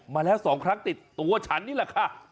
มาแล้ว๒ครั้งติดตัวฉันนี่แหละค่ะ